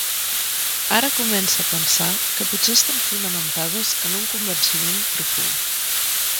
Ara comença a pensar que potser estan fonamentades en un convenciment profund.